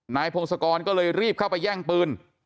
พงศกรก็เลยรีบเข้าไปแย่งปืน